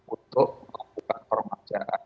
untuk melakukan permasalahan